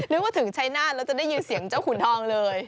นึกว่าถึงชัยนาธแล้วจะได้ยินเสียงเจ้าขุนทองเลย